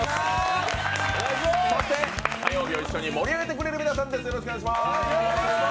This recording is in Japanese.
そして火曜日を一緒に盛り上げてくれる皆さんです。